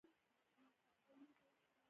مجلې زیاتره نه لري.